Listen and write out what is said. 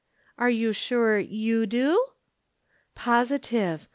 "Are you sure you do?" "Positive.